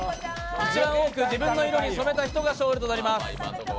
一番多く自分の色に染めた人が勝利となります。